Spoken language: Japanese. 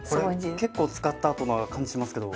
これ結構使ったあとな感じしますけど。